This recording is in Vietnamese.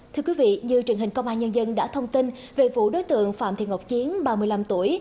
thưa quý vị như truyền hình công an nhân dân đã thông tin về vụ đối tượng phạm thị ngọc chiến ba mươi năm tuổi